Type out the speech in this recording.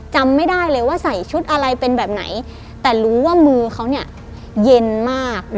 จำไม่ได้เลยว่าใส่ชุดอะไรเป็นแบบไหนแต่รู้ว่ามือเขาเนี่ยเย็นมาก